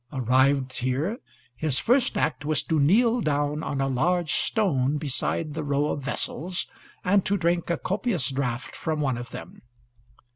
Arrived here, his first act was to kneel down on a large stone beside the row of vessels and to drink a copious draught from one of them.